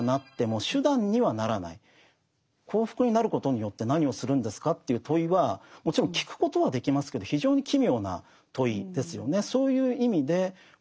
幸福になることによって何をするんですかという問いはもちろん聞くことはできますけど非常に奇妙な問いですよね。